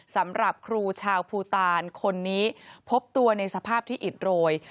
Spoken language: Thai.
สำหรับครูชาวภูตานคนนี้พบตัวในสภาพที่อิดโรย